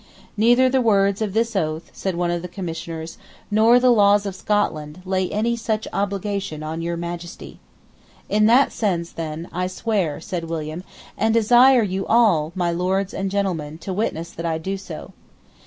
"Neither the words of this oath," said one of the Commissioners, "nor the laws of Scotland, lay any such obligation on your Majesty." "In that sense, then, I swear," said William; "and I desire you all, my lords and gentlemen, to witness that I do so."